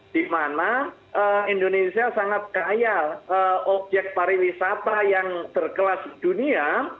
di mana indonesia sangat kaya obyek pariwisata yang berkelas dunia